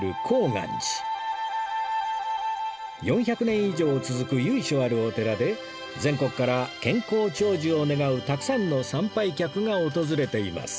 ４００年以上続く由緒あるお寺で全国から健康長寿を願うたくさんの参拝客が訪れています